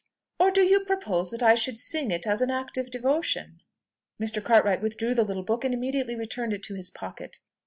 or do you propose that I should sing it as an act of devotion?" Mr. Cartwright withdrew the little book and immediately returned it to his pocket.